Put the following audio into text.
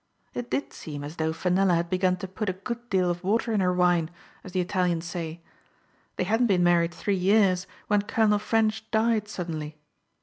It did seem as though Fenella had begun to put a good deal of water in her wine, as the Italians say. They hadn't been married three years when Colonel Ffrench died suddenly.